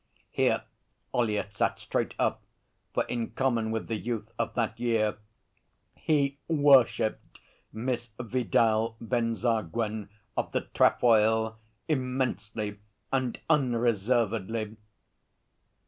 Here Ollyett sat straight up, for in common with the youth of that year he worshipped Miss Vidal Benzaguen of the Trefoil immensely and unreservedly.